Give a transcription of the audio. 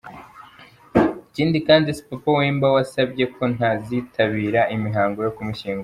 Ikindi kandi, si Papa Wemba wasabye ko ntazitabira imihango yo kumushyingura.